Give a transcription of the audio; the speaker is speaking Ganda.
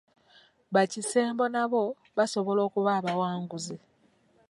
Ba kisembo nabo basobola okuba abawanguzi.